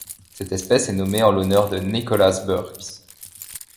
Cette espèce est nommée en l'honneur de Nicholas Birks.